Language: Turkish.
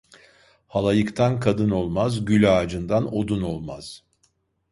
Halayıktan kadın olmaz, gül ağacından odun olmaz.